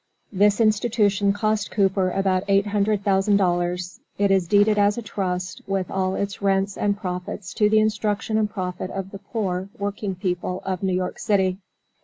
This institution cost Cooper about eight hundred thousand dollars. It is deeded as a trust, with all its rents and profits, to the instruction and profit of the poor working people of New York city.